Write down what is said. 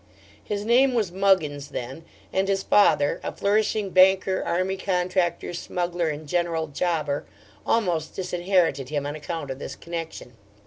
His name was Muggins then, and his father a flourishing banker, army contractor, smuggler, and general jobber almost disinherited him on account of this connection.